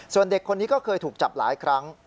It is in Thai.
ส่วนเด็กคนนี้ก็เคยถูกจับหลายครั้ง